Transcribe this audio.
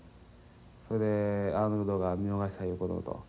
それでアーノルドが見逃したいうことと。